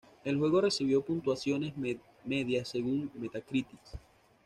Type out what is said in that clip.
El juego recibió "puntuaciones" medias según Metacritic.